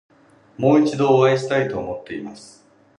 もう一度お会いしたいと思っています。